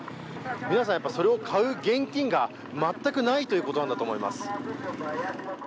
皆さんそれを買う現金が全くないということなんだと思います。